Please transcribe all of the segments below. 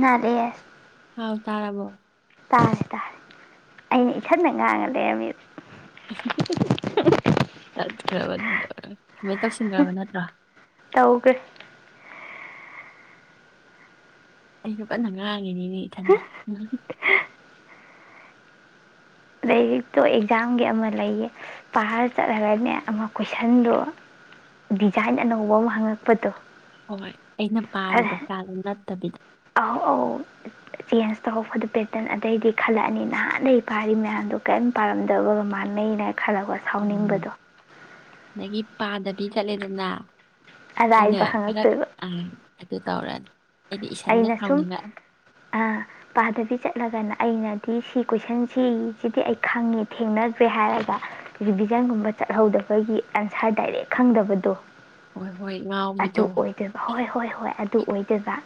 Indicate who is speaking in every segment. Speaker 1: ꯅꯔꯦ ꯍꯥꯏ [unintelligible]
Speaker 2: ꯍꯥꯎ ꯇꯥꯔꯥꯕꯣ
Speaker 1: ꯇꯥꯁꯤꯦ ꯇꯥꯔꯦ ꯑꯩꯅ ꯏꯊꯟꯗ ꯉꯥꯡꯉ ꯂꯩꯔꯝꯃꯤꯕ
Speaker 2: ꯆꯠ [unintelligible] ꯍ ꯇꯧꯁꯤꯟꯈ꯭ꯔꯕ ꯅꯠꯇ꯭ꯔꯥ
Speaker 1: ꯇꯧꯈ꯭ꯔꯦ
Speaker 2: ꯑꯩꯁꯨ ꯐꯟꯅ ꯉꯥꯡꯉꯤꯅꯤꯅꯦ ꯏꯊꯟꯗ
Speaker 1: ꯂꯥꯏꯔꯤꯛꯇꯣ ꯑꯦꯛꯖꯥꯝꯒꯤ ꯑꯃ ꯂꯩꯌꯦ ꯄꯥꯔ ꯆꯠꯂꯒꯅꯦ ꯑꯃ ꯀꯣꯏꯁꯟꯗꯣ ꯗꯤꯖꯥꯏꯟ ꯑꯅꯧꯕ ꯑꯃ ꯍꯪꯉꯛꯄꯗꯣ
Speaker 2: ꯍꯣꯏ ꯑꯩꯅ ꯄꯥꯔꯤꯕ ꯆꯥꯛꯗꯨꯣ ꯅꯠꯇꯕꯤꯗ
Speaker 1: ꯑꯍꯧ ꯑꯍꯧ ꯆꯦꯟꯖ ꯇꯧꯔꯛꯄꯗ ꯄꯦꯇꯔꯟ ꯑꯇꯩꯗꯤ ꯈꯜꯂꯛꯑꯅꯤ ꯅꯍꯥꯟ ꯂꯩ ꯏꯄꯥꯔꯤ ꯃꯌꯥꯝꯗꯣ ꯀꯔꯤꯝ ꯄꯥꯔꯝꯗꯕꯒ ꯃꯥꯟꯅꯩꯅ ꯈꯜꯔꯒ
Speaker 2: ꯎꯝ
Speaker 1: ꯁꯥꯎꯅꯤꯡꯕꯗꯣ
Speaker 2: ꯑꯗꯒꯤ ꯄꯥꯗꯕꯤ ꯆꯠꯂꯦꯗꯅ ꯑꯩꯅ
Speaker 1: ꯑꯔꯥꯏꯕ
Speaker 2: ꯐꯔꯛ
Speaker 1: ꯍꯪꯉꯛꯇꯣꯏꯕ
Speaker 2: ꯑꯗꯨ ꯇꯧꯔꯅꯤ ꯑꯩꯗꯤ ꯏꯁꯟꯗ
Speaker 1: ꯑꯩꯅ ꯁꯨꯝ
Speaker 2: ꯁꯥꯎꯅꯤꯡꯉꯛꯑꯅꯤ
Speaker 1: ꯑ ꯄꯥꯗꯕꯤ ꯆꯠꯂꯒꯅ ꯑꯩꯅ ꯑ ꯁꯤ ꯀꯣꯏꯁꯟꯁꯤꯁꯤꯗꯤ ꯑꯩ ꯈꯪꯉꯦ ꯊꯦꯡꯅꯗ꯭ꯔꯦ ꯍꯥꯏꯔꯒ ꯔꯤꯚꯤꯖꯟꯒꯨꯝꯕ ꯆꯠꯍꯧꯗꯕꯒꯤ ꯑꯟꯁꯥꯔ ꯗꯥꯏꯔꯦꯛ ꯈꯪꯗꯕꯗꯣ
Speaker 2: ꯍꯣꯏ ꯍꯣꯏ
Speaker 1: ꯑꯗꯨ
Speaker 2: ꯉꯥꯎꯕꯤꯗꯣ
Speaker 1: ꯑꯣꯏꯗꯣꯏꯕ ꯍꯣꯏ ꯍꯣꯏ ꯍꯣꯏ ꯑꯗꯨ ꯑꯗꯨ ꯑꯣꯏꯗꯕ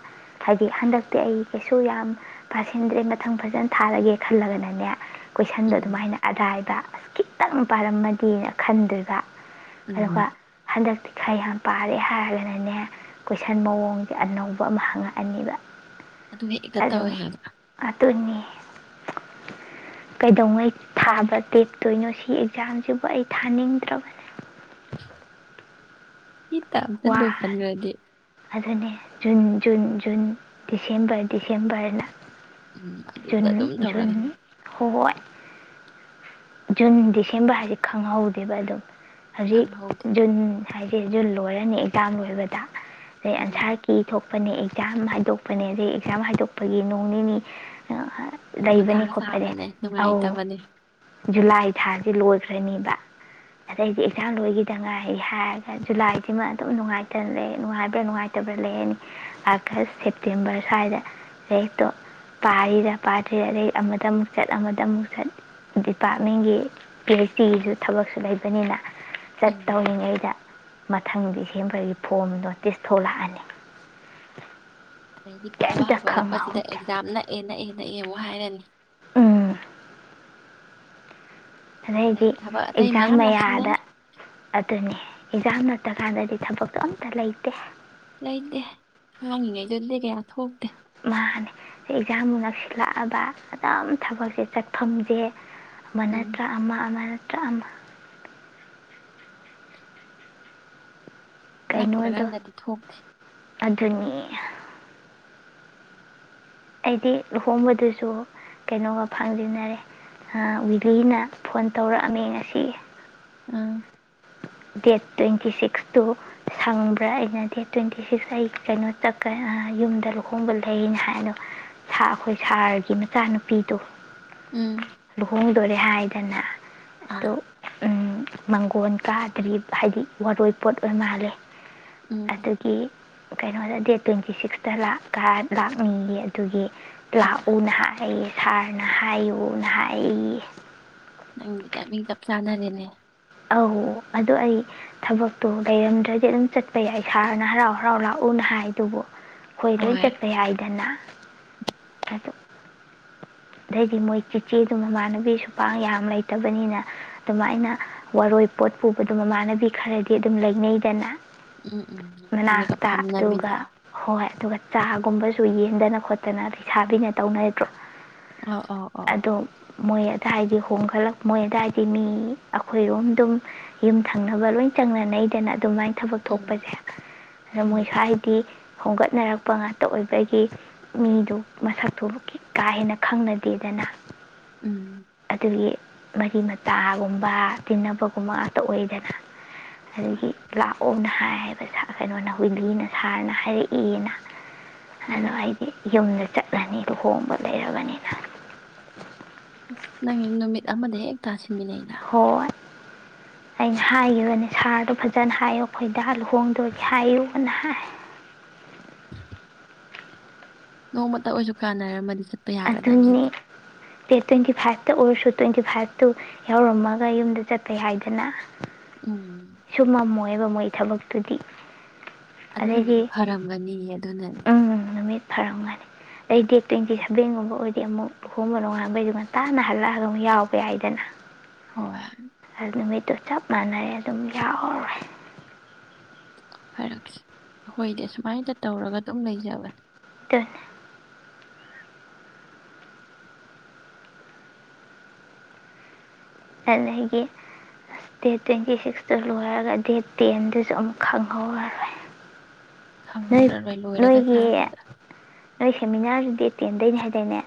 Speaker 1: ꯍꯥꯏꯗꯤ ꯍꯟꯗꯛꯇꯤ ꯑꯩ ꯀꯩꯁꯨ ꯌꯥꯝ ꯄꯥꯁꯤꯟꯗ꯭ꯔꯦ ꯃꯊꯪ ꯐꯖꯅ ꯊꯥꯔꯒꯦ ꯈꯜꯂꯒꯅꯅꯦ ꯀꯣꯏꯁꯟꯗꯣ
Speaker 2: ꯎꯝ
Speaker 1: ꯑꯗꯨꯃꯥꯏꯅ ꯑꯔꯥꯏꯕ ꯑꯁ ꯈꯤꯇꯪ ꯄꯥꯔꯝꯃꯗꯤꯦꯅ ꯈꯟꯗꯣꯏꯕ
Speaker 2: ꯎꯝ
Speaker 1: ꯑꯗꯨꯒ ꯍꯟꯗꯛꯇꯤ ꯈꯔ ꯌꯥꯝ ꯄꯥꯔꯦ ꯍꯥꯏꯔꯒꯅꯅꯦ ꯀꯣꯏꯁꯟ ꯃꯑꯣꯡꯁꯦ ꯑꯅꯧꯕ ꯄꯣ ꯑꯃ ꯍꯪꯉꯛꯑꯅꯤꯕ
Speaker 2: ꯑꯗꯨ ꯍꯦꯛꯇ ꯇꯧꯋꯦ ꯍꯥꯏꯕ
Speaker 1: ꯇꯅꯤ ꯀꯩꯗꯧꯉꯩ ꯊꯥꯕ ꯇꯦꯛꯇꯣꯏꯅꯣ ꯁꯤ ꯑꯦꯛꯖꯥꯝꯁꯤꯕꯨ ꯑꯩ ꯊꯥꯅꯤꯡꯗ꯭ꯔꯕꯅꯦ
Speaker 2: ꯏꯠꯇꯟ
Speaker 1: ꯋꯥꯔꯦ
Speaker 2: ꯅꯣꯜꯖꯜꯒ꯭ꯔꯗꯤ
Speaker 1: ꯑꯗꯨꯅꯦ ꯖꯨꯟ ꯖꯨꯟ ꯖꯨꯟ ꯗꯤꯁꯦꯝꯕꯔ ꯗꯤꯁꯦꯝꯕꯔꯅ
Speaker 2: ꯎꯝ
Speaker 1: ꯖꯨꯜ
Speaker 2: ꯑꯗꯨꯗ ꯑꯗꯨꯝ
Speaker 1: ꯖꯨꯜ
Speaker 2: ꯇꯧꯔꯒ
Speaker 1: ꯍꯣꯏ ꯖꯨꯟ ꯗꯤꯁꯦꯝꯕꯔ ꯍꯥꯏꯁꯦ ꯈꯪꯍꯧꯗꯦꯕ ꯑꯗꯨꯝ ꯍꯧꯖꯤꯛ
Speaker 2: ꯈꯪꯍꯧꯗꯦ
Speaker 1: ꯖꯨꯅꯦꯥ ꯍꯥꯏꯗꯤꯖꯨꯅꯤ ꯂꯣꯏꯔꯅꯤ ꯏꯖꯝ ꯂꯣꯏꯕꯗ ꯑꯟꯁꯥꯔ
Speaker 2: ꯎꯝ
Speaker 1: ꯀꯤꯊꯣꯛ ꯍꯥꯄꯅꯦ ꯑꯦꯛꯖꯥꯝ ꯍꯥꯏꯗꯣꯛꯄꯅꯦ ꯑꯗꯩ ꯑꯦꯛꯖꯥꯝ ꯍꯥꯏꯗꯣꯛꯄꯒꯤ ꯅꯣꯡ ꯅꯤꯅꯤ
Speaker 2: ꯃꯊꯥ
Speaker 1: ꯂꯩꯕꯅꯦ ꯈꯣꯠꯄꯅꯦ
Speaker 2: ꯁꯥꯕꯅꯦ
Speaker 1: ꯑꯧ
Speaker 2: ꯅꯨꯡꯉꯥꯏꯇꯕꯅꯦ
Speaker 1: ꯖꯨꯂꯥꯏ ꯊꯥꯥꯁꯦ ꯂꯣꯏꯈ꯭ꯔꯅꯦꯕ ꯑꯗꯩꯗꯤ ꯑꯦꯛꯖꯥꯝ ꯂꯣꯏꯈꯤꯗꯉꯥꯏ ꯍꯥꯏꯔꯒ ꯖꯨꯂꯥꯏꯁꯤꯃ ꯑꯗꯨꯝ ꯅꯨꯡꯉꯥꯏꯇꯅ ꯂꯩ ꯅꯨꯡꯉꯥꯏꯕ꯭ꯔꯥ ꯅꯨꯡꯉꯥꯏꯇꯕ꯭ꯔꯥ ꯂꯩꯔꯅꯤ ꯑꯥꯒꯁ ꯁꯦꯞꯇꯦꯝꯕꯔ ꯁ꯭ꯋꯥꯏꯗ ꯂꯩꯔꯤꯛꯇꯣ ꯄꯥꯔꯤꯔ ꯄꯥꯗ꯭ꯔꯤꯔ ꯑꯗꯩ ꯑꯃꯗ ꯑꯃꯨꯛ ꯆꯠ ꯑꯃꯗ ꯑꯃꯨꯛ ꯆꯠ ꯗꯤꯄꯥꯔꯠꯃꯦꯟꯒꯤ ꯄꯤ ꯑꯩꯆ ꯗꯤꯒꯤꯁꯨ ꯊꯕꯛꯁꯨ ꯂꯩꯕꯅꯤꯅ ꯆꯠ
Speaker 2: ꯎꯝ
Speaker 1: ꯇꯧ ꯑꯩꯗ ꯃꯊꯪꯗꯤ ꯁꯦꯝꯕꯒꯤ ꯐꯣꯝ ꯅꯣꯇꯤꯁ ꯊꯣꯛꯂꯛꯑꯅꯤ
Speaker 2: ꯑꯗꯩꯗꯤ ꯄꯥꯕ
Speaker 1: ꯀꯩꯝꯇ
Speaker 2: ꯍꯧꯒꯠꯂꯛꯄꯁꯤꯗ
Speaker 1: ꯈꯪꯍꯧꯗꯦ
Speaker 2: ꯑꯦꯛꯖꯥꯝ ꯅꯛꯑꯦ ꯅꯛꯑꯦ ꯅꯛ ꯑꯥ ꯍꯥꯏꯔꯅꯤ
Speaker 1: ꯎꯝ ꯑꯗꯩꯗꯤ
Speaker 2: ꯑꯗꯩ ꯊꯕꯛ ꯑꯇꯩ
Speaker 1: ꯑꯦꯛꯖꯥꯝ
Speaker 2: ꯃꯌꯥꯝ
Speaker 1: ꯃꯌꯥꯗ
Speaker 2: ꯂꯥꯛꯁꯜꯂꯅꯤ
Speaker 1: ꯑꯗꯨꯅꯤ ꯑꯦꯛꯖꯥꯝ ꯅꯠꯇ ꯍꯥꯟꯗꯗꯤ ꯊꯕꯛꯇ ꯑꯝꯇ ꯂꯩꯇꯦ
Speaker 2: ꯂꯩꯇꯦ ꯍꯥꯡꯉꯤꯉꯩꯗꯨꯗꯤ ꯀꯌꯥ ꯊꯣꯛꯇꯦ
Speaker 1: ꯃꯥꯅꯦ ꯑꯦꯛꯖꯥꯝꯕꯨ ꯅꯛꯁꯤꯜꯂꯛꯑꯕ ꯑꯗꯨꯝ ꯊꯕꯛꯁꯦ ꯆꯠꯐꯝꯁꯦ
Speaker 2: ꯎꯝ
Speaker 1: ꯑꯃꯅꯠꯇ꯭ꯔ ꯑꯃ ꯑꯃ ꯑꯃ ꯀꯩꯅꯣꯗꯣ
Speaker 2: ꯅꯠꯇ꯭ꯔꯒꯥꯟꯗꯗꯤ ꯊꯣꯛꯇꯦ
Speaker 1: ꯑꯗꯨꯅꯤ ꯑꯩꯗꯤ ꯂꯨꯍꯣꯡꯕꯗꯨꯁꯨ ꯀꯩꯅꯣꯒ ꯐꯥꯡꯖꯤꯟꯅꯔꯦ ꯋꯤꯂꯤꯅ ꯐꯣꯟ ꯇꯧꯔꯛꯑꯝꯃꯦ ꯉꯁꯤ
Speaker 2: ꯑꯥ
Speaker 1: ꯗꯦꯠ ꯇ꯭ꯋꯦꯟꯇꯤ ꯁꯤꯛꯁꯇꯨ ꯁꯪꯕ꯭ꯔꯥ ꯑꯩꯅ ꯗꯦꯠ ꯇ꯭ꯋꯦꯟꯇꯤ ꯁꯤꯛꯁ ꯑꯩ ꯀꯩꯅꯣꯀ ꯌꯨꯝꯗ ꯂꯨꯍꯣꯡꯕ ꯂꯩꯅ ꯍꯥꯏꯗꯣ ꯁꯥ ꯑꯩꯈꯣꯏ ꯁꯥꯔꯒꯤ ꯃꯆꯥꯅꯨꯄꯤꯗꯣ
Speaker 2: ꯎꯝ
Speaker 1: ꯇꯣꯔꯦ ꯍꯥꯏꯗꯅ
Speaker 2: ꯑꯥ
Speaker 1: ꯎꯝ ꯃꯪꯒꯣꯟ ꯀꯥꯔ ꯀꯔꯤ ꯍꯥꯏꯗꯤ ꯋꯥꯔꯣꯏ ꯄꯣꯠ ꯑꯣꯏ ꯃꯥꯜꯂꯦ
Speaker 2: ꯎꯝ ꯎꯝ
Speaker 1: ꯑꯗꯨꯒꯤ ꯀꯩꯅꯣꯗ ꯗꯦꯠ ꯇ꯭ꯋꯦꯟꯇꯤ ꯁꯤꯛꯁꯇ ꯂꯥꯛ ꯂꯥꯛꯅꯤꯡꯏ ꯑꯗꯨꯒꯤ
Speaker 2: ꯍꯩꯃꯥ
Speaker 1: ꯂꯥꯛꯑꯣꯅ ꯍꯥꯏ ꯁꯥꯔꯅ ꯍꯥꯏꯌꯨꯅ ꯍꯥꯏꯌꯦ
Speaker 2: ꯅꯪꯗ ꯇꯤꯃꯤꯡ ꯀꯞ ꯆꯥꯅꯔꯦꯅꯦ
Speaker 1: ꯑꯧ ꯑꯗꯣ ꯑꯩ ꯊꯕꯛꯇꯣ ꯂꯩꯔꯝꯗ꯭ꯔꯗꯤ ꯑꯗꯨꯝ ꯆꯠꯄ ꯌꯥꯏ ꯁꯥꯔꯅ ꯍꯔꯥꯎ ꯍꯔꯥꯎ ꯂꯥꯛꯎꯅ ꯍꯥꯏꯗꯨꯕꯨ ꯑꯩꯈꯣꯏ ꯂꯣꯏ
Speaker 2: ꯍꯣꯏ
Speaker 1: ꯆꯠꯄ ꯌꯥꯏꯗꯅ ꯑꯗꯩꯗꯤ ꯃꯣꯏ ꯆꯤꯆꯦꯗꯨ ꯃꯃꯥꯟꯅꯕꯤ ꯁꯄꯥꯡ ꯌꯥꯝ ꯂꯩꯇꯕꯅꯤꯅ ꯑꯗꯨꯃꯥꯏꯅꯥ ꯋꯥꯔꯣꯏ ꯄꯣꯠ ꯄꯨꯕꯗ ꯃꯃꯥꯟꯅꯕꯤ ꯈꯔꯗꯤ ꯑꯗꯨꯝ ꯂꯩꯅꯩꯗꯅ
Speaker 2: ꯎꯝ ꯎꯝ ꯍꯟꯗꯒ
Speaker 1: ꯃꯅꯥꯛꯇ
Speaker 2: ꯐꯝꯅꯕꯤꯗ
Speaker 1: ꯑꯗꯨꯒ ꯍꯣꯏ ꯑꯗꯨꯒ ꯆꯥꯒꯨꯝꯕꯁꯨ ꯌꯦꯟꯗꯅ ꯈꯣꯠꯇꯅ ꯂꯩꯁꯥꯕꯤꯅ ꯇꯧꯅꯗ꯭ꯔꯣ
Speaker 2: ꯑꯧ ꯑꯧ ꯑꯧ
Speaker 1: ꯑꯗꯣ ꯃꯣꯏ ꯑꯗꯨꯋꯥꯏꯗꯤ ꯍꯣꯡꯒꯠꯂꯛ ꯃꯣꯏ ꯑꯗꯨꯋꯥꯏꯗꯤ ꯃꯤ ꯑꯩꯈꯣꯏꯔꯣꯝ ꯑꯗꯨꯝ ꯌꯨꯝ ꯊꯪꯅꯕ ꯂꯣꯏ ꯆꯪꯅꯅꯩꯗꯅ ꯑꯗꯨꯃꯥꯏꯅ ꯊꯕꯛ
Speaker 2: ꯎꯝ
Speaker 1: ꯊꯣꯛꯄꯁꯦ ꯑꯗ ꯃꯣꯏ
Speaker 2: ꯎꯝ
Speaker 1: ꯁꯥꯏꯗꯤ ꯍꯣꯡꯒꯠꯅꯔꯛꯄ ꯉꯥꯛꯇ ꯑꯣꯏꯕꯒꯤ ꯃꯤꯗꯨ ꯃꯁꯛꯇꯨꯕꯨ ꯀꯥ ꯍꯦꯟꯅ ꯈꯪꯅꯗꯦꯗꯅ
Speaker 2: ꯎꯝ
Speaker 1: ꯑꯗꯨꯒꯤ ꯃꯔꯤ ꯃꯇꯥꯒꯨꯝꯕ ꯇꯤꯟꯅꯕꯒꯨꯝꯕ ꯉꯥꯛꯇ ꯑꯣꯏꯗꯅ ꯑꯗꯒꯤ ꯂꯥꯛꯑꯣꯅ ꯍꯥꯏ ꯍꯥꯏꯕ ꯀꯩꯅꯣꯅ ꯋꯤꯟꯂꯤꯅ ꯁꯥꯔꯅ ꯍꯥꯏꯔꯛꯏꯅ ꯍꯜꯂꯣ
Speaker 2: ꯎꯝ
Speaker 1: ꯑꯩꯗꯤ ꯌꯨꯝꯗ ꯆꯠꯂꯅꯤ ꯂꯨꯍꯣꯡꯕ ꯂꯩꯔꯕꯅꯤꯅ
Speaker 2: ꯅꯪ ꯏ ꯅꯨꯃꯤꯠ ꯑꯃꯗ ꯍꯦ ꯇꯁꯤ ꯊꯃꯤ ꯂꯩꯅ
Speaker 1: ꯍꯣꯏ ꯑꯩꯅ ꯍꯥꯏꯈꯤꯕꯅꯦ ꯁꯥꯔꯗꯣ ꯐꯖꯅ ꯍꯥꯏꯌꯣ ꯑꯩ ꯈꯣꯏꯗ ꯍꯥꯜꯂ ꯈꯣꯡꯗꯣ ꯍꯥꯏꯌꯨ ꯍꯥꯏ
Speaker 2: ꯅꯣꯡꯃꯇ ꯑꯣꯏꯁꯨ ꯀꯥꯟꯅꯔꯝꯃꯅꯤ ꯆꯠꯄ ꯌꯥꯒꯗꯥꯕꯖꯦ
Speaker 1: ꯑꯗꯨꯅꯤ ꯗꯦꯠ ꯇ꯭ꯋꯦꯟꯇꯤ ꯐꯥꯏꯚꯇ ꯑꯣꯏꯔꯁꯨ ꯇ꯭ꯋꯦꯟꯇꯤ ꯐꯥꯏꯚꯇꯨ ꯌꯥꯎꯔꯝꯃꯒ ꯌꯨꯝꯗ ꯆꯠꯄꯦ ꯍꯥꯏꯗꯅ
Speaker 2: ꯎꯝ
Speaker 1: ꯁꯨꯃꯝꯣ ꯃꯣꯏ ꯊꯕꯛꯇꯨꯗꯤ
Speaker 2: ꯑꯗꯨ
Speaker 1: ꯑꯗꯩꯗꯤ
Speaker 2: ꯅꯨꯃꯤꯠꯇ ꯐꯔꯝꯒꯅꯤ ꯑꯗꯨꯅꯅꯦ
Speaker 1: ꯎꯝ ꯅꯨꯃꯤꯠ ꯐꯔꯝꯒꯅꯤ ꯑꯗꯩ ꯗꯦꯠ ꯇ꯭ꯋꯦꯟꯇꯤ ꯁꯚꯦꯟꯒꯨꯝꯕ ꯑꯣꯏꯔꯗꯤ ꯑꯃꯨꯛ ꯑꯍꯣꯡꯕꯗꯣ ꯉꯥꯡꯕꯩꯗꯨ ꯉꯇꯥꯅ ꯍꯜꯂꯛꯑꯒ ꯑꯃꯨꯛ ꯌꯥꯎꯕ ꯌꯥꯏꯗꯅ
Speaker 2: ꯍꯣꯏ
Speaker 1: ꯇꯣ ꯆꯞ ꯃꯥꯟꯔꯦ ꯑꯗꯨꯝ ꯌꯥꯎꯔꯔꯦ
Speaker 2: ꯐꯔꯛꯁ ꯑꯩꯈꯣꯏꯗꯤ ꯁꯨꯃꯥꯏꯅ ꯇꯧꯔꯒ ꯑꯗꯨꯝ ꯂꯩꯖꯕꯅꯦ
Speaker 1: ꯇꯟ ꯑꯗꯒꯤ ꯑ ꯗꯦꯠ ꯇ꯭ꯋꯦꯟꯇꯤ ꯁꯤꯛꯁꯇꯨ ꯂꯣꯏꯔꯒ ꯗꯦꯠ ꯇꯦꯟꯗꯨꯁꯨ ꯑꯃꯨꯛ ꯈꯪꯍꯧꯔꯔꯣꯏ ꯅꯣꯏ
Speaker 2: ꯈꯪꯍꯧꯔꯣꯏ ꯂꯣꯏꯔꯒ
Speaker 1: ꯅꯣꯏꯒꯤ
Speaker 2: ꯊꯥꯔꯛꯄꯗ
Speaker 1: ꯅꯣꯏ ꯁꯦꯃꯤꯅꯥꯔꯗꯨ ꯗꯦꯠ ꯇꯦꯟꯗꯣꯏꯅꯦ ꯍꯥꯏꯗꯣꯏꯅꯦ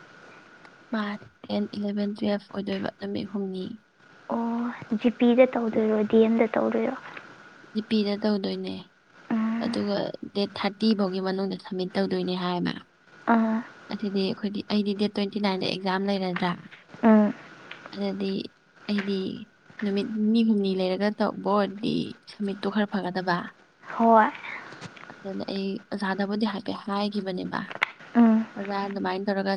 Speaker 2: ꯃꯥ ꯇꯦꯟ ꯏꯂꯚꯦꯟ ꯇꯨꯋꯦꯜꯐ ꯑꯣꯏꯗꯣꯏꯕ ꯅꯨꯃꯤꯠ ꯍꯨꯝꯅꯤ
Speaker 1: ꯑꯣ ꯖꯤꯄꯤꯗ ꯇꯧꯗꯣꯏꯔꯣ ꯗꯤ ꯑꯦꯝꯗ ꯇꯧꯗꯣꯏꯔꯣ
Speaker 2: ꯖꯤꯄꯤꯗ ꯇꯧꯗꯣꯏꯅꯦ
Speaker 1: ꯎꯝ
Speaker 2: ꯑꯗꯨꯒ ꯗꯦꯠ ꯊꯥꯔꯇꯤ ꯐꯥꯎꯒꯤ ꯃꯅꯨꯡꯗ ꯁꯝꯃꯤꯠ ꯇꯧꯗꯣꯏꯅꯦ ꯍꯥꯏꯃ
Speaker 1: ꯑꯥ
Speaker 2: ꯑꯗꯨꯗꯤ ꯑꯩꯈꯣꯏꯒꯤ ꯑꯩꯗꯤ ꯗꯦꯠ ꯇ꯭ꯋꯦꯟꯇꯤ ꯅꯥꯏꯗ ꯑꯦꯛꯖꯥꯝ ꯂꯩꯔꯗ꯭ꯔꯥ
Speaker 1: ꯎꯝ
Speaker 2: ꯑꯗꯨꯗꯤ ꯑꯩꯗꯤ ꯅꯨꯃꯤꯠ ꯅꯤꯅꯤ ꯍꯨꯝꯅꯤ ꯂꯩꯔꯒ ꯇꯧꯕ ꯑꯣꯏꯗꯤ ꯁꯃꯤꯠꯇꯣ ꯈꯔ ꯐꯒꯗꯕ
Speaker 1: ꯍꯣꯏ
Speaker 2: ꯖꯥꯗꯕꯨꯗꯤ ꯍ ꯄꯦ ꯍꯥꯏꯈꯤꯕꯅꯦꯕ
Speaker 1: ꯎꯝ
Speaker 2: ꯐꯖꯥ ꯑꯗꯨꯃꯥꯏꯅ ꯇꯧꯔꯒ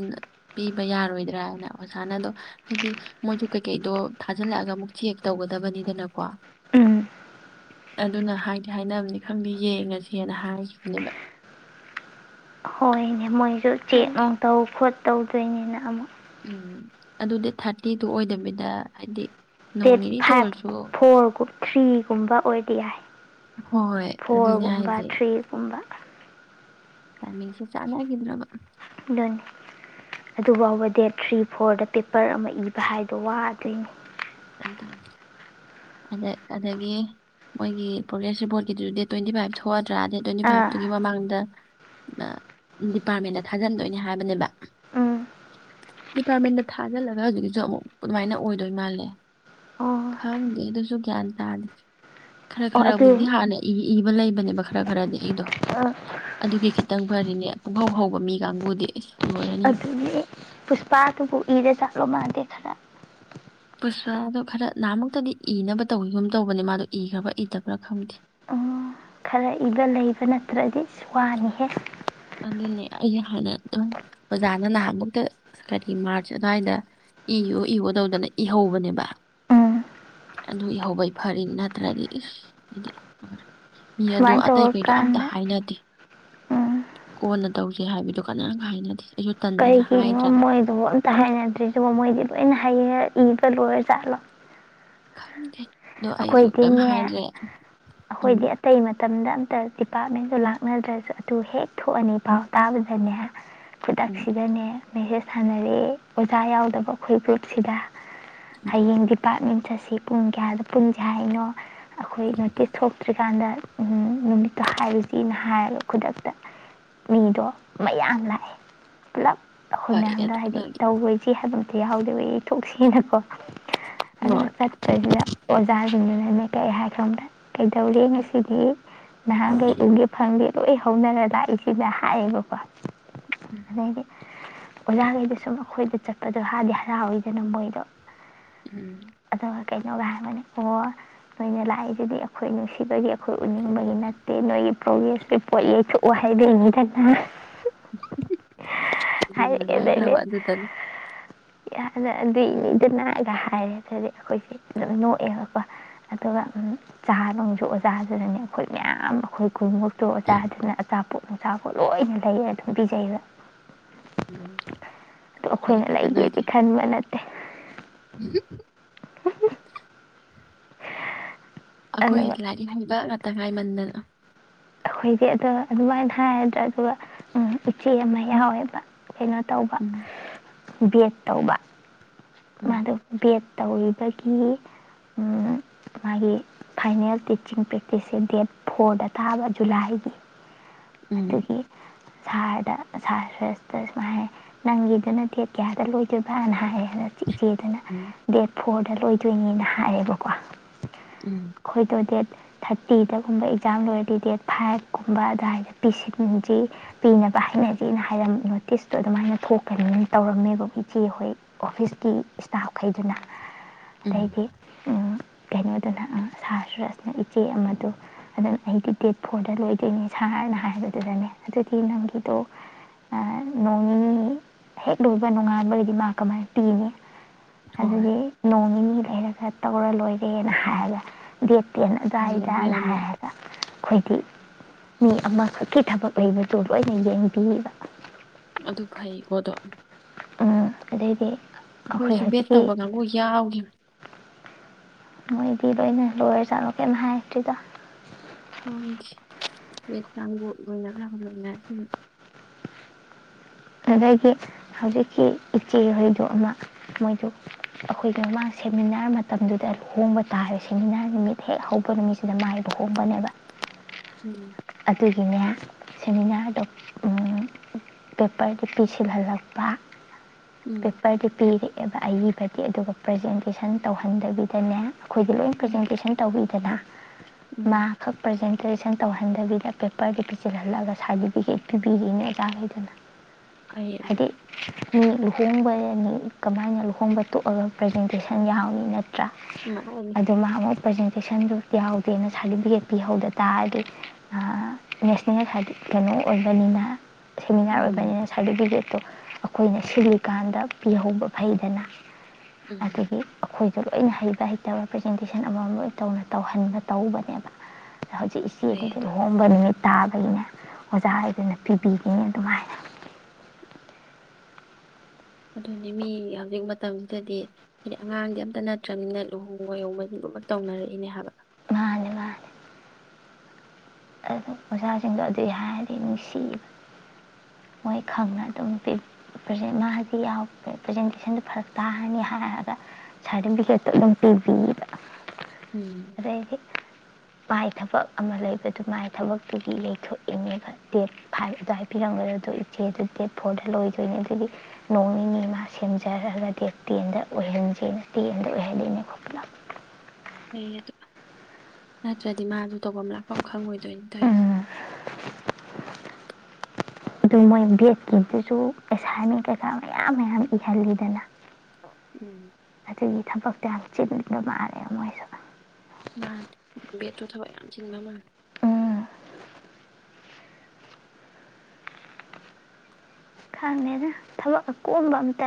Speaker 2: ꯄꯤꯕ ꯌꯥꯔꯣꯏꯗ꯭ꯔꯥꯅ ꯑꯣꯖꯥꯅꯗꯣ ꯍꯥꯏꯗꯤ ꯃꯣꯏꯁꯨ ꯀꯩꯀꯩꯗꯣ ꯊꯥꯖꯤꯜꯂꯛꯑꯒ ꯑꯃꯨꯛ ꯆꯦꯛ ꯇꯧꯒꯗꯕꯅꯤꯗꯅꯀꯣ
Speaker 1: ꯎꯝ
Speaker 2: ꯑꯗꯨꯅ ꯍꯥꯏꯗꯤ ꯍꯥꯏꯅꯅꯤ ꯈꯪꯕꯤ ꯌꯦꯡꯉꯁꯤꯦꯅ ꯍꯥꯏꯈꯤꯕꯅꯦꯕ
Speaker 1: ꯃꯣꯏ ꯁ ꯆꯦꯛ
Speaker 2: ꯈꯪꯗꯦ
Speaker 1: ꯅꯨꯡ ꯇꯧ ꯈꯣꯠ ꯇꯧꯗꯣꯏꯅꯤꯅ ꯑꯃꯨꯛ
Speaker 2: ꯎꯝ ꯑꯗꯨꯗꯤ ꯊꯥꯔꯇꯤꯗꯨ ꯑꯣꯏꯗꯃꯤꯅ ꯍꯥꯏꯗꯤ ꯅꯣꯡ
Speaker 1: ꯑꯦꯠ
Speaker 2: ꯅꯤꯅꯤꯇ
Speaker 1: ꯐꯥꯏꯚ
Speaker 2: ꯑꯣꯏꯔꯁꯨ
Speaker 1: ꯐꯣꯔ ꯊ꯭ꯔꯤꯒꯨꯝꯕ ꯑꯣꯏꯕ ꯌꯥꯏ
Speaker 2: ꯍꯣꯏ ꯑꯗꯨꯅꯦ
Speaker 1: ꯐꯣꯔꯒꯨꯝꯕ ꯊ꯭ꯔꯤꯒꯨꯝꯕ
Speaker 2: ꯇꯃꯤꯁ ꯆꯥꯒꯗ꯭ꯔꯕ
Speaker 1: ꯑꯗꯨꯣꯏꯅꯤ ꯑꯗꯨꯐꯥꯎꯕ ꯗꯦꯠ ꯊ꯭ꯔꯤ ꯐꯣꯔꯗ ꯄꯦꯄꯔ ꯑꯃ ꯏꯕ ꯍꯥꯏꯕ ꯋꯥꯗꯣꯏꯅꯤ
Speaker 2: ꯑꯗ ꯑꯗꯒꯤ ꯃꯣꯏꯒꯤ ꯄ꯭ꯔꯣꯒ꯭ꯔꯦꯁ ꯔꯤꯄꯣꯔꯠꯀꯤꯗꯨ ꯗꯦꯠ ꯇ꯭ꯋꯦꯟꯇꯤ ꯐꯥꯏꯚ ꯊꯣꯛꯑ ꯗꯦꯠ ꯇ꯭ꯋꯦꯟꯇꯤ
Speaker 1: ꯑꯥ
Speaker 2: ꯐꯥꯏꯚꯨꯒꯤ ꯃꯃꯥꯡꯗ ꯗꯤꯄꯥ꯭ꯔꯠꯃꯦꯟꯗ ꯊꯥꯖꯤꯟꯗꯣꯏꯅꯦ ꯍꯥꯏꯕꯅꯦꯕ
Speaker 1: ꯎꯝ
Speaker 2: ꯗꯤꯄꯥ꯭ꯔꯠꯃꯦꯟꯗ ꯊꯥꯖꯤꯜꯂꯒ ꯍꯧꯖꯤꯛꯀꯤꯁꯨ ꯑꯃꯨꯛ ꯑꯗꯨꯃꯥꯏꯅ ꯑꯣꯏꯗꯣꯏ ꯃꯥꯜꯂꯦ
Speaker 1: ꯑꯣ
Speaker 2: ꯈꯪꯗꯦ ꯑꯗꯨꯁꯨ ꯒꯌꯥꯟ ꯇꯥꯗꯦ ꯈꯔ
Speaker 1: ꯑꯣ
Speaker 2: ꯈꯔꯕꯨꯗꯤ
Speaker 1: ꯑꯗꯨ
Speaker 2: ꯍꯥꯟꯅ ꯏ ꯏꯕ ꯂꯩꯕ ꯅꯦꯕꯔꯥ ꯈꯔꯥ ꯈꯔꯥꯗꯤ ꯑꯩꯗꯣ ꯑꯗꯨꯒꯤꯈꯤꯠ ꯈꯤꯇꯪ ꯐꯔꯤꯅꯦ ꯄꯨꯡꯍꯧ ꯍꯧꯕ ꯃꯤ ꯀꯥꯡꯕꯨꯗꯤꯁ
Speaker 1: ꯑꯗꯨꯗꯤ ꯄꯨꯁꯄꯥꯗꯨꯕꯨ ꯏꯔ ꯆꯥꯛꯂꯣ ꯃꯥꯟꯗꯦ ꯈꯔ
Speaker 2: ꯄꯨꯁꯄꯥꯗꯣ ꯈꯔ ꯅꯍꯥꯟꯃꯛꯇꯗꯤ ꯏꯅꯕ ꯇꯧꯋꯤꯒꯨꯝ ꯇꯧꯕꯅꯤ ꯃꯥꯗꯣ ꯏꯈ꯭ꯔꯕ꯭ꯔꯥ ꯏꯗꯕ꯭ꯔꯥ ꯈꯪꯗꯦ
Speaker 1: ꯈꯔꯥ ꯏꯕ ꯂꯩꯕ ꯅꯠꯇ꯭ꯔꯗꯤ ꯋꯥꯅꯤꯍꯦ
Speaker 2: ꯑꯗꯨꯅꯦ ꯑꯩꯁꯦ ꯍꯥꯏꯥꯟꯅ ꯑꯗꯨꯝ ꯑꯣꯖꯥꯅ ꯅꯍꯥꯟꯃꯨꯛꯇ ꯀꯔꯤ ꯃꯥ꯭ꯔꯆ ꯑꯗꯨꯋꯥꯏꯗ ꯏꯌꯣ ꯏꯌꯣ ꯇꯧꯗꯅ ꯏꯍꯧꯕꯅꯦꯕ
Speaker 1: ꯎꯝ
Speaker 2: ꯑꯗꯨ ꯏꯍꯧꯕꯩ ꯐꯔꯤ ꯅꯠꯇ꯭ꯔꯗꯤ ꯏꯁ ꯍꯥꯏꯗꯤ ꯃꯤ ꯑꯗꯣ
Speaker 1: ꯁꯨꯃꯥꯏꯅ
Speaker 2: ꯑꯇꯩ ꯀꯩꯗꯣ ꯑꯝꯇ
Speaker 1: ꯇꯧꯔꯀꯥꯟꯗ
Speaker 2: ꯍꯥꯏꯅꯗꯦ
Speaker 1: ꯎꯝ
Speaker 2: ꯀꯣꯟꯅ ꯇꯧꯁꯦ ꯍꯥꯏꯕꯗꯨ ꯀꯅꯥ ꯍꯥꯏꯅꯗꯦ ꯑꯩꯁꯨ ꯇꯟꯗꯅ
Speaker 1: ꯀꯔꯤꯒꯤꯅꯣ
Speaker 2: ꯍꯥꯏꯗ꯭ꯔꯕ
Speaker 1: ꯃꯣꯏꯗꯨꯕꯨ ꯑꯝꯇ ꯍꯥꯏꯅꯗ꯭ꯔꯤꯁꯤꯕ ꯃꯣꯏꯗꯤ ꯂꯣꯏꯅ ꯍꯩ ꯌꯦ ꯏꯕ ꯂꯣꯏꯔ ꯖꯥꯠ ꯂꯣ
Speaker 2: ꯈꯪꯗꯦ ꯑꯗꯣ ꯑꯩꯁꯨ ꯀꯩꯝ ꯍꯥꯏꯗ꯭ꯔꯦ ꯎꯝ
Speaker 1: ꯑꯩꯈꯣꯏꯗꯤ ꯑꯇꯩ ꯃꯇꯝꯗ ꯑꯝꯇ ꯗꯤꯄꯥ꯭ꯔꯠꯃꯦꯟꯁꯨ ꯂꯥꯛꯅꯗ꯭ꯔꯁꯨ ꯑꯗꯨ ꯍꯦꯛ ꯊꯣꯛꯑꯅꯤ ꯄꯥꯎ ꯇꯥꯕꯗꯅꯦ
Speaker 2: ꯎꯝ
Speaker 1: ꯈꯨꯗꯥꯛꯁꯤꯗꯅꯦ ꯃꯦꯁꯦꯁ ꯊꯟꯅꯔꯦ ꯑꯣꯖꯥ ꯌꯥꯎꯗꯕ ꯑꯩꯈꯣꯏ ꯒ꯭ꯔꯨꯞꯁꯤꯗ
Speaker 2: ꯎꯝ
Speaker 1: ꯍꯌꯦꯡ ꯗꯤꯄꯥ꯭ꯔꯠꯃꯦꯟ ꯆꯠꯁꯤ ꯄꯨꯡ ꯀꯌꯥꯗ ꯄꯨꯟꯖꯦ ꯍꯥꯏꯅꫭ ꯑꯩꯈꯣꯏ ꯅꯣꯇꯤꯁ ꯊꯣꯛꯈꯤ ꯇ꯭ꯔꯤꯀꯥꯟꯗ ꯅꯨꯃꯤꯠꯇꯣ ꯍꯥꯏꯔꯨꯁꯤꯅ ꯍꯥꯏꯔꯒ ꯈꯨꯗꯛꯇ ꯃꯤꯗꯣ ꯃꯌꯥꯝ ꯂꯥꯛꯑꯦ ꯄꯨꯂꯞ ꯑꯩꯈꯣꯏ
Speaker 2: ꯐꯔꯦ
Speaker 1: ꯃꯌꯥꯝꯗ
Speaker 2: ꯑꯗꯨ
Speaker 1: ꯍꯥꯏꯗꯤ
Speaker 2: ꯅꯣꯏꯒꯤ
Speaker 1: ꯇꯧꯔꯣꯏꯁꯤ ꯍꯥꯏꯕ ꯑꯩ ꯌꯥꯎꯗꯕꯩ ꯌꯩ ꯊꯣꯛꯁꯤꯅꯀꯣ ꯑꯗꯨꯒ
Speaker 2: ꯍꯣꯏ
Speaker 1: ꯆꯠꯄꯖꯤꯗ ꯁꯦꯅꯤꯌꯥ꯭ꯔ ꯁꯤꯡ ꯗꯨꯅ ꯀꯥꯏ ꯍꯥꯏ ꯈꯝꯗ ꯀꯩꯗꯧꯔꯦ ꯉꯁꯤꯗꯤ ꯅꯍꯥꯟꯈꯩ ꯎꯒꯦ ꯐꯪꯒꯦ ꯂꯣꯏ ꯍꯧꯅꯔ ꯂꯥꯛꯏꯁꯤꯅ ꯍꯥꯏꯌꯦꯕꯀꯣ
Speaker 2: ꯎꯝ
Speaker 1: ꯑꯗꯩꯗꯤ ꯑꯣꯖꯥꯈꯩꯗ ꯁꯨꯝ ꯃꯈꯣꯏꯗ ꯆꯠꯄꯗꯣ ꯍꯥꯗꯤ ꯍꯔꯥꯎꯋꯤꯗꯅ ꯃꯣꯏꯗꯣ
Speaker 2: ꯎꯝ
Speaker 1: ꯑꯗꫭ ꯀꯩꯅꯣꯒ ꯑꯗꯨꯃꯥꯏꯅ ꯑꯣ ꯅꯣꯏꯅ ꯂꯥꯛꯏꯗꯨꯗꯤ ꯑꯩꯈꯣꯏ ꯅꯨꯡꯁꯤ ꯁꯤꯕꯒꯤ ꯑꯩꯈꯣꯏ ꯎꯅꯤꯡꯕꯒꯤ ꯅꯠꯇꯦ ꯅꯣꯏꯒꯤ ꯄꫭꯔꯒꯦꯁ ꯔꯤ ꯄꯣꯠ ꯌꯩꯊꯣꯛꯑꯣ ꯍꯥꯏꯕꯩꯅꯤ ꯎꯝ
Speaker 2: [unintelligible] [unintelligible]
Speaker 1: ꯍꯥꯏꯔꯛꯑꯦ
Speaker 2: ꯅꯒ꯭ꯔꯕ ꯑꯗꯨꯗꯅ
Speaker 1: ꯅ ꯑꯗꯨꯏ ꯅꯤꯗꯅꯥꯒ ꯍꯥꯏꯔꯦ [unintelligible] ꯑꯩꯈꯣꯏꯁꯦ ꯑꯗꯨꯝ ꯅꫭꯛ ꯑꯦꯕꯀꯣ ꯑꯗꯨꯒ ꯆꯥꯕ ꯅꯨꯡꯁꯨ ꯑꯣꯖꯥꯗꯨꯗꯅꯦ ꯑꯩꯈꯣꯏ ꯃꯌꯥꯝ ꯑꯩꯈꯣꯏ ꯈꯨꯟꯃꯨꯛ ꯑꯇꯣ ꯑꯣꯖꯥꯗꯨꯅ ꯑꯆꯥꯄꯣꯅ ꯑꯆꯥꯄꯣꯠ ꯂꯣꯏꯅ ꯂꯩꯔ ꯑꯗꯨꯝ ꯄꯤꯖꯩꯕ
Speaker 2: ꯎꯝ
Speaker 1: ꯑꯗꫭ
Speaker 2: ꯐꯩ
Speaker 1: ꯑꯩꯈꯣꯏꯅ ꯂꯩꯒꯦꯗꯤ ꯈꯟꯕ ꯅꯠꯇꯦ
Speaker 2: ꯎꯝ [inaudible] ꯑꯩꯈꯣꯏ
Speaker 1: ꯑꯗꯨꯒ
Speaker 2: ꯂꯥꯏꯔꯤꯛ ꯍꯩꯕ ꯇꯉꯥꯏꯃꯟꯗꯅ
Speaker 1: ꯑꯩꯈꯣꯏꯒꯤ ꯑꯗꯣ ꯑꯗꯨꯃꯥꯏꯅ ꯍꯥꯏꯒꯗ꯭ꯔꯥ ꯑꯗꯨꯒ ꯎꯝ ꯎꯆꯦ ꯑꯃ ꯌꯥꯎꯋꯦꯕ ꯀꯩꯅꯣ ꯇꯧꯕ
Speaker 2: ꯎꯝ
Speaker 1: ꯕꯤꯠ ꯇꯧꯕ
Speaker 2: ꯎꯝ
Speaker 1: ꯃꯥꯗ ꯕꯤꯠ ꯇꯧꯔꯤꯕꯒꯤ ꯃꯥꯒꯤ ꯐꯥꯏꯅꯦꯜ ꯇꯤꯆꯤꯡ ꯄ꯭ꯔꯦꯛꯇꯤꯁꯁꯦ ꯗꯦꯠ ꯐꯣꯔꯗ ꯊꯥꯕ ꯖꯨꯂꯥꯏꯒꯤ
Speaker 2: ꯎꯝ
Speaker 1: ꯑꯗꯨꯒꯤ ꯁꯥꯍꯔꯗ ꯁꯥꯔ ꯁ꯭ꯔꯦꯁꯇ ꯁꯨꯃꯥꯏ ꯍꯥꯏ ꯅꯪꯒꯤꯗꯨꯅ ꯇꯦꯠ ꯀꯌꯥꯗ ꯂꯣꯏꯗꯣꯏꯕ꯭ꯔꯥꯅ ꯍꯥꯏꯌꯦ ꯏꯆꯦꯗꯅ
Speaker 2: ꯎꯝ
Speaker 1: ꯗꯦꯠ ꯐꯣꯔꯗ ꯂꯣꯏ ꯑꯗꯨꯣꯏꯅꯦꯅ ꯍꯥꯏꯔꯦꯕꯀꯣ
Speaker 2: ꯎꯝ
Speaker 1: ꯍꯣꯏꯗꯣ ꯊꯥꯔꯇꯤꯗꯒꯨꯝꯕ ꯑꯦꯛꯖꯥꯝ ꯂꯣꯏꯔꯗꯤ ꯗꯦꯠ ꯐꯥꯏꯚꯀꯨꯝꯕ ꯑꯗꯨꯋꯥꯏꯗ ꯄꯤꯁꯤꯟꯁꯤ ꯄꯤꯅꯕ ꯍꯥꯏꯅꯁꯤꯅ ꯍꯥꯏꯔ ꯅꯣꯇꯤꯁꯇꯣ ꯑꯗꯨꯃꯥꯏꯅ ꯊꯣꯛꯀꯅꯤꯅ ꯇꯧꯔꯝꯃꯦꯕ ꯏꯆꯦ ꯑꯩꯈꯣꯏ ꯑꯣꯐꯤꯁ ꯀ ꯏꯁꯇꯥꯞꯈꯩꯗꯨꯅ
Speaker 2: ꯎꯝ
Speaker 1: ꯔꯈꯤ ꯎꯝ ꯀꯩꯅꯣꯗꯨꯅ ꯁꯥꯍꯔ ꯁꯨꯔꯁꯅ ꯏꯆꯦ ꯑꯃꯗꯣ ꯑꯗꯨꯅ ꯑꯩꯗꯤ ꯗꯦꯠ ꯐꯣꯔꯗ ꯂꯣꯏꯗꯣꯏꯅꯦ ꯁꯥꯍꯔꯅ ꯍꯥꯏꯕꯗꯨꯗꯅꯦ ꯑꯗꯨꯗꯤ ꯅꯪꯒꯤꯗꯣ ꯅꯣꯡ ꯍꯦꯛ ꯂꯣꯏꯕ ꯅꯣꯉꯥꯟꯕꯒꯤꯗꯤ ꯃꯥ ꯀꯃꯥꯏꯅ ꯇꯅꯦ
Speaker 2: ꯍꯣꯏ ꯍꯣꯏ
Speaker 1: ꯑꯗꯨꯗꯤ ꯅꯣꯡ ꯅꯤꯅꯤ ꯂꯩꯔ ꯇꯧꯔ ꯂꯣꯏꯔꯦꯅ ꯍꯥꯏꯔꯒ ꯠ
Speaker 2: ꯐꯩꯌꯦ ꯑꯗꯨ
Speaker 1: ꯇꯦꯟꯅꯖꯏꯖꯅ
Speaker 2: ꯌꯥꯝꯅ
Speaker 1: ꯍꯥꯏꯔꯒ ꯑꯩꯈꯣꯏꯗꯤ ꯃꯤ ꯑꯃꯈꯛꯀꯤ ꯊꯕꯛ ꯂꯩꯕꯗꯨꯣ ꯂꯣꯏꯅ ꯌꯦꯡꯕꯤꯕ
Speaker 2: ꯑꯗꯨ ꯐꯩꯀꯣꯗꯣ
Speaker 1: ꯎꯝ ꯑꯗꯩꯗꯤ ꯑꯩꯈꯣꯏ
Speaker 2: ꯑꯩꯈꯣꯏꯁꯨ ꯕꯦꯠ
Speaker 1: ꯍꯧꯖꯤꯛꯀꯤ
Speaker 2: ꯇꯧꯕ ꯀꯥꯡꯕꯨ ꯌꯥꯎꯈꯤꯕ
Speaker 1: ꯃꯣꯏꯗꯤ ꯂꯣꯏꯅ ꯂꯣꯏꯔ ꯆꯥꯠꯂꯣꯀꯦꯅ ꯍꯥꯏꯗ꯭ꯔꯤꯗ
Speaker 2: ꯍꯥꯎꯣꯏ ꯂꯣꯏ
Speaker 1: ꯑꯗꯒꯤ ꯍꯧꯖꯤꯛꯀꯤ ꯏꯆꯦꯍꯣꯏꯗ ꯑꯃ ꯃꯣꯏꯗꯨ ꯑꯩꯈꯣꯏꯒꯤ ꯃꯃꯥꯡ ꯁꯦꯃꯤꯅꯥꯔ ꯃꯇꯝꯗꯨꯗ ꯍꯣꯡꯕ ꯇꯥꯔꯦ ꯁꯦꯃꯤꯅꯥꯔ ꯅꯨꯃꯤꯠ ꯍꯦꯛ ꯍꯧꯕ ꯅꯨꯃꯤꯠꯁꯤꯗ ꯃꯥꯏꯕ ꯍꯣꯡꯕꯅꯦꯕ
Speaker 2: ꯎꯝ
Speaker 1: ꯑꯗꯨꯒꯤꯅꯦ ꯁꯦꯃꯤꯅꯥꯔꯗ ꯄꯦꯄꯔꯗ ꯄꯤꯁꯤꯜꯍꯜꯂꯛꯄ
Speaker 2: ꯎꯝ
Speaker 1: ꯄꯦꯄꯔꯗꯤ ꯄꯤꯂꯤ ꯑꯦꯕ ꯑꯏꯕꯗꯤ ꯑꯗꯨꯒ ꯄ꯭ꯔꯖꯦꯟꯇꯦꯁꯟ ꯇꯧꯍꯟꯗꯕꯤꯗꯅꯦ ꯑꯩꯈꯣꯏꯗꯤ ꯂꯣꯏ
Speaker 2: ꯎꯝ
Speaker 1: ꯄ꯭ꯔꯖꯦꯟꯇꯦꯁꯟ ꯇꯧꯕꯤꯗꯅ
Speaker 2: ꯎꯝ
Speaker 1: ꯃꯥꯈꯛ ꯄ꯭ꯔꯖꯦꯟꯇꯦꯁꯟ ꯇꯧꯍꯟ ꯍꯟꯊꯕꯤꯗ ꯄꯦꯄꯔꯗ ꯄꯤꯁꯤꯜꯍꯜꯂꯒ ꯁꯥꯔꯇꯤꯐꯤꯀꯦꯠ ꯄꯤꯕꯤꯔꯤꯅꯦ ꯑꯦꯖꯥꯡꯈꯩꯗꯨꯅ
Speaker 2: ꯐꯩ ꯑꯗꯣ
Speaker 1: ꯍꯥꯏꯗꯤ ꯃꯤ ꯂꯨꯍꯣꯡꯕ ꯀꯃꯥꯏꯅ ꯂꯨꯍꯣꯡꯕ ꯇꯣꯛꯑꯒ ꯄ꯭ꯔꯖꯦꯟꯇꯦꯁꯟ ꯌꯥꯎꯅꯤ
Speaker 2: ꯃꯥꯅꯤ
Speaker 1: ꯄ꯭ꯔꯖꯦꯟꯇꯦꯁꯟꯁꯨ ꯌꯥꯎꯗꯦꯅ ꯁꯥꯔꯇꯤꯐꯤꯀꯦꯠ ꯄꯤꯍꯧꯗ ꯇꯥꯔꯗꯤ ꯅꯦꯁꯅꯦꯜ ꯍꯥꯏꯗꯤ ꯀꯩꯅꯣ ꯑꯣꯏꯕꯅꯤꯅ ꯁꯦꯃꯤꯅꯥꯔ
Speaker 2: ꯎꯝ
Speaker 1: ꯑꯣꯏꯕꯅꯤꯅ ꯁꯥꯔꯇꯤꯐꯤꯀꯦꯠꯇꯣ ꯑꯩꯈꯣꯏꯅ ꯁꯨꯜꯂꯤꯀꯥꯟꯗ ꯄꯤꯍꯧꯕ ꯐꯩꯗꯅ
Speaker 2: ꯎꯝ
Speaker 1: ꯑꯗꯨꯗꯒꯤ ꯑꯩꯈꯣꯏ ꯁꯨ ꯂꯣꯏꯅ ꯍꯩꯕ ꯍꯩꯇꯕ ꯄ꯭ꯔꯖꯦꯟꯇꯦꯁꯟ ꯑꯃꯃꯝ ꯂꯣꯏ ꯇꯧꯅ ꯇꯧꯍꯟꯕ ꯇꯧꯕꯅꯦꯕ ꯑꯗ ꯍꯧꯖꯤꯛ
Speaker 2: ꯐꯩ
Speaker 1: ꯃꯦꯀꯦꯜ
Speaker 2: ꯑꯗꯣ
Speaker 1: ꯍꯣꯝꯕ ꯇꯥꯕꯒꯤꯅꯦ ꯑꯣꯖꯥ ꯍꯥꯏꯗꯨꯅ ꯄꯤꯕꯤꯈꯤꯅꯤ ꯑꯗꯨꯃꯥꯏꯅ
Speaker 2: ꯑꯗꯨꯅꯦ ꯃꯤ ꯍꯧꯖꯤꯛ ꯃꯇꯝꯁꯤꯗꯗꯤ ꯍꯥꯏꯗꯤ ꯑꯉꯥꯡꯗꯤ ꯑꯝꯇ ꯅꯠꯇ꯭ꯔꯅꯤꯅ ꯂꯨꯍꯣꯡꯕꯍꯣꯡꯕ ꯑꯗꯨꯃꯛ ꯇꯧꯅꯔꯛꯏꯅꯦ ꯍꯥꯏꯕ
Speaker 1: ꯋꯥꯅꯦ ꯃꯥꯅꯦ ꯑꯗꯨ ꯑꯣꯖꯥꯁꯤꯡꯗꯣ ꯑꯗꯨꯒꯤ ꯍꯥꯏꯔꯗꯤ ꯅꯨꯡꯁꯤꯕ ꯃꯣꯏ ꯈꯪꯅ ꯑꯗꯨꯝ꯭ꯔ ꯃꯥꯗꯤ ꯄ꯭ꯔꯖꯦꯟꯇꯦꯁꯟꯗꯨ ꯐꯔꯛ ꯇꯥꯔꯅꯤ ꯍꯥꯏꯔꯒ ꯁꯥꯔꯇꯤꯐꯤꯀꯦꯠꯇꯣ ꯑꯗꯨꯝ ꯄꯤꯕꯤꯌꯦꯕ
Speaker 2: ꯎꯝ
Speaker 1: ꯑꯒꯤ ꯄꯥꯏ ꯊꯕꯛ ꯑꯃ ꯂꯩꯕ ꯑꯗꯨꯃꯥꯏ ꯊꯕꯛꯇꯨꯒꯤ ꯌꯩꯊꯣꯛꯏꯅꯦꯒ ꯗꯦꯠ ꯐꯥꯏꯚ ꯑꯗꯨꯗ ꯍꯥꯏꯕꯤꯔꯝꯒꯗ ꯑꯗꯨꯣ ꯏꯆꯦ ꯑꯗꯨ ꯗꯦꯠ ꯐꯣꯔꯗ ꯂꯣꯏꯗꯣꯏꯅꯦ ꯑꯗꯨꯒꯤ ꯅꯣꯡ ꯅꯤꯅꯤ ꯃꯥ ꯁꯦꯝꯖꯔꯒ ꯗꯦꯠ ꯇꯦꯟꯗ ꯑꯣꯏꯍꯟꯁꯦꯅ ꯇꯦꯟꯗ ꯑꯣꯏꯍꯜꯜꯂꯤꯅꯦꯣꯣꯏ ꯄꯨꯂꯞ
Speaker 2: ꯍ ꯑꯗ ꯅꯠꯇ꯭ꯔꯗꯤ ꯃꯥꯗꯨ ꯇꯧꯐꯝ ꯂꯥꯛꯄ ꯈꯪꯉꯣꯏꯗꯣꯏꯅ ꯇꯧꯁꯦ
Speaker 1: ꯎꯝ ꯑꯗꯨ ꯃꯣꯏ ꯕꯤꯠꯀꯤꯗꯨꯁꯨ ꯑꯦꯁꯥꯏꯟꯃꯦꯟ ꯀꯩꯀꯥ ꯃꯌꯥꯝ ꯃꯌꯥꯝ ꯏꯍꯜꯂꯤꯗꯅ
Speaker 2: ꯎꯝ
Speaker 1: ꯊꯄꯛ ꯇꯌꯥꯝ ꯆꯤꯞꯂꯤꯣ ꯃꯥꯔꯦ ꯃꯣꯏꯁꯨ
Speaker 2: ꯃꯥ ꯠ꯭ꯔꯣ ꯊꯕꯥꯏ ꯌꯥꯝ ꯊꯤꯡꯡꯂꯃ
Speaker 1: ꯎꯝ ꯈꯥꯡꯅꯦꯦꯅ ꯊꯕꯛ ꯑ ꯀꯣꯛꯝꯕ ꯑꯇ